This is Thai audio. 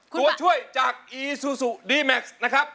ตัวช่วยจากอีซูซูดีแม็กซ์นะครับ